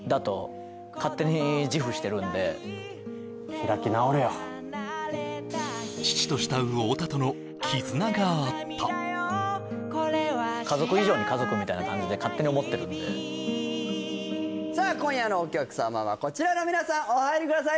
はいするとそこにははいはいだとがあった家族以上に家族みたいな感じで勝手に思ってる今夜のお客様はこちらの皆さんお入りください